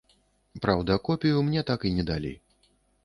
Праўда, копію мне так і не далі.